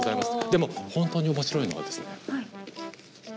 でも本当に面白いのはですね。